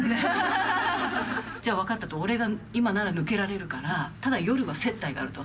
じゃあ分かったと俺が今なら抜けられるからただ夜は接待があると。